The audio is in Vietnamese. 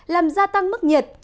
làm gia tăng mức nhiệt